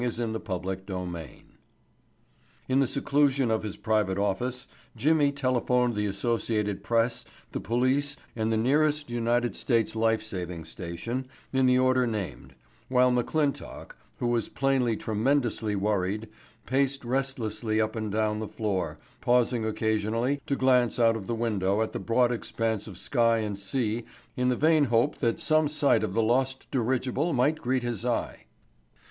Chapter Four In the seclusion of his private office Jimmy telephoned the Associated Press, the police and the nearest United States life saving station, in the order named, while McClintock, who was plainly tremendously worried, paced restlessly up and down the floor, pausing occasionally to glance out of the window at the broad expanse of sky and sea in the vain hope that some sight of the lost dirigible might greet his eye.